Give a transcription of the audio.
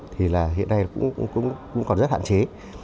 thì là hiện nay cũng còn rất hạn chế